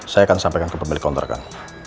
saya akan sampaikan ke pemilik kontrakan